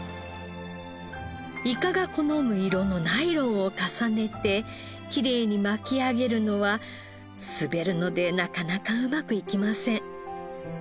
イカが好む色のナイロンを重ねてきれいに巻き上げるのは滑るのでなかなかうまくいきません。